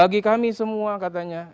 bagi kami semua katanya